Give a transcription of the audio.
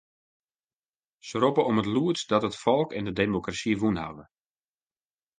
Se roppe om it lûdst dat it folk en de demokrasy wûn hawwe.